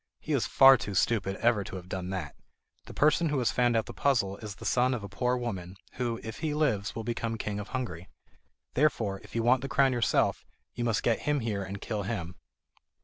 "He is far too stupid ever to have done that! The person who has found out the puzzle is the son of a poor woman, who, if he lives, will become King of Hungary. Therefore, if you want the crown yourself, you must get him here and kill him."